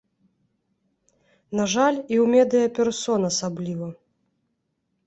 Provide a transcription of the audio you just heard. На жаль, і ў медыя-персон асабліва.